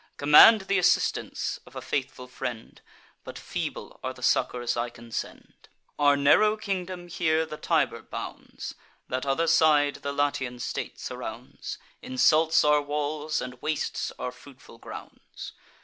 Command th' assistance of a faithful friend; But feeble are the succours I can send. Our narrow kingdom here the Tiber bounds; That other side the Latian state surrounds, Insults our walls, and wastes our fruitful grounds.